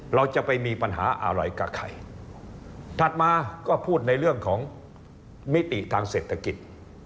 เราจะไปมีปัญหาอะไรกับใครถัดมาก็พูดในเรื่องของมิติทางเศรษฐกิจ